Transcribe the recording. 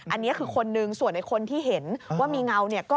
อันนี้คือคนหนึ่งส่วนไอ้คนที่เห็นว่ามีเงาเนี่ย